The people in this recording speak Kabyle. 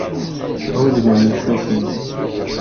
Hudden-am lsas-im.